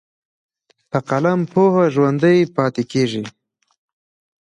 په قلم پوهه ژوندی پاتې کېږي.